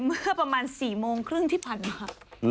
เมื่อประมาณ๔โมงครึ่งที่พันธุ์